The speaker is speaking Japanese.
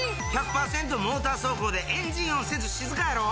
モーター走行でエンジン音せず静かやろ？